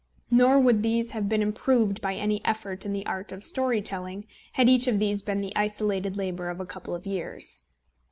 Nor would these have been improved by any effort in the art of story telling, had each of these been the isolated labour of a couple of years.